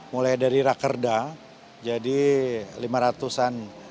mulai dari rakerda jadi lima ratusan